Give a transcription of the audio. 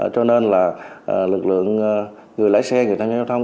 cho nên là lực lượng người lái xe người tham gia giao thông